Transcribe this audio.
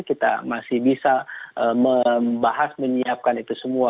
kita masih bisa membahas menyiapkan itu semua